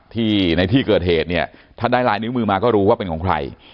ในที่เกิดเหตุเนี่ยถ้าได้ลายนิ้วมือมาก็รู้ว่าเป็นของใคร